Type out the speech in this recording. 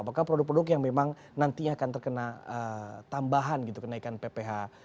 apakah produk produk yang memang nantinya akan terkena tambahan gitu kenaikan pph